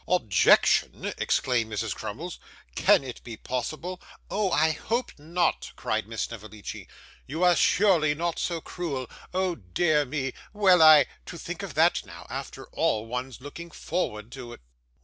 'Objection!' exclaimed Mrs. Crummles. 'Can it be possible?' 'Oh, I hope not!' cried Miss Snevellicci. 'You surely are not so cruel oh, dear me! Well, I to think of that now, after all one's looking forward to it!